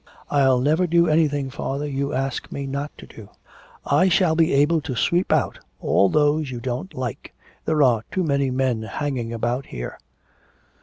'I'll never do anything, father, you ask me not to do.' 'I shall be able to sweep out all those you don't like. There are too many men hanging about here?'